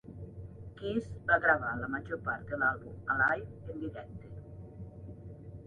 Kiss va gravar la major part de l'àlbum "Alive!" en directe.